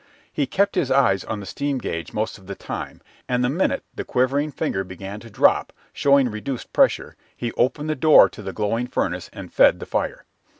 He kept his eyes on the steam gage most of the time, and the minute the quivering finger began to drop, showing reduced pressure, he opened the door to the glowing furnace and fed the fire.